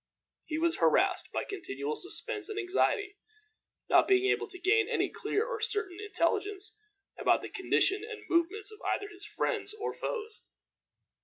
He was harassed by continual suspense and anxiety, not being able to gain any clear or certain intelligence about the condition and movements of either his friends or foes.